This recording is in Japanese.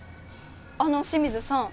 あの清水さん。